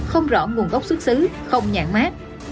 không rõ nguồn gốc xuất xứ không nhạc mát